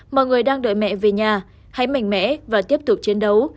mọi người đang đợi mẹ về nhà hãy mạnh mẽ và tiếp tục chiến đấu